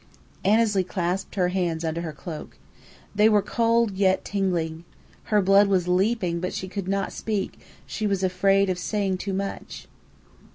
Annesley clasped her hands under her cloak. They were cold yet tingling. Her blood was leaping; but she could not speak. She was afraid of saying too much.